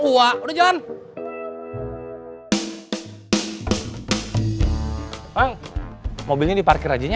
ua udah jalan mobilnya diparkir aja nya